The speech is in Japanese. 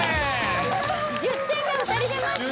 １０点が２人出ました！